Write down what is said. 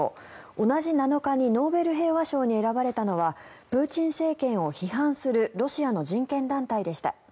同じ７日にノーベル平和賞に選ばれたのはプーチン政権を批判するロシアの人権団体でした。